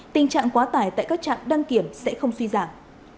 tình trạng quá tải tại các trạm đăng kiểm sẽ không suy giảm